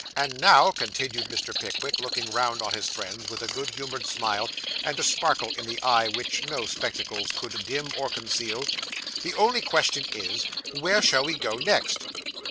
And now,' continued Mr. Pickwick, looking round on his friends with a good humoured smile, and a sparkle in the eye which no spectacles could dim or conceal, 'the only question is, Where shall we go next?